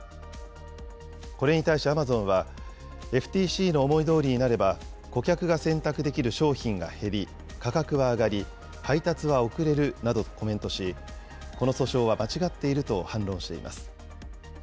これに対しアマゾンは、ＦＴＣの思いどおりになれば、顧客が選択できる商品が減り、価格は上がり、配達は遅れるなどとコメントし、この訴訟は間違っていると反論しています。